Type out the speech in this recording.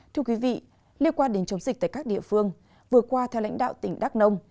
thưa quý vị liên quan đến chống dịch tại các địa phương vừa qua theo lãnh đạo tỉnh đắk nông